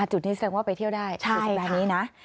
จุดนี้แสดงว่าไปเที่ยวได้สุดแบบนี้นะค่ะใช่ค่ะ